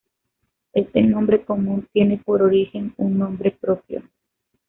Este nombre común tiene por origen un nombre propio.